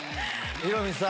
ヒロミさん。